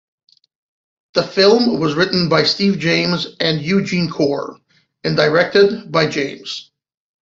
The film was written by Steve James and Eugene Corr, and directed by James.